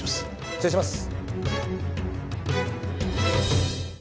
失礼します。